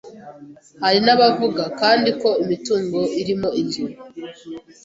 Hari n’abavuga kandi ko imitungo irimo inzu,